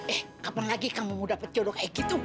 eh kapan lagi kamu mau dapat jodoh eh gitu